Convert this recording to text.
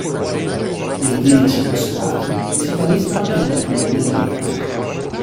Le prime cinque squadre si qualificano per il Turno Elite.